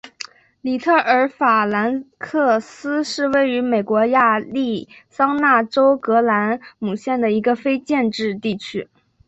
里特尔法兰克斯是位于美国亚利桑那州葛兰姆县的一个非建制地区。